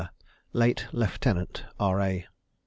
late Lieutenant, R.A.